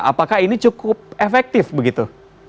apakah ini cukup efektif begitu